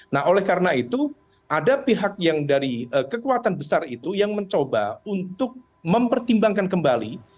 nah oleh karena itu ada pihak yang dari kekuatan besar itu yang mencoba untuk mempertimbangkan kembali